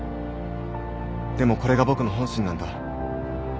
でもこれが僕の本心なんだ